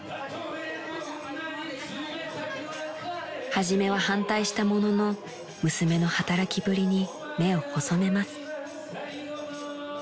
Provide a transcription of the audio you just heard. ［始めは反対したものの娘の働きぶりに目を細めます］